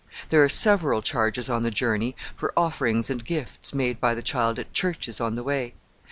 There are several charges on the journey for offerings and gifts made by the child at churches on the way.